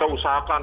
harus kita usahakan